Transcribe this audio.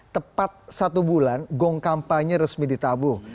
tepat satu bulan gong kampanye resmi ditabung